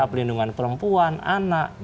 perlindungan perempuan anak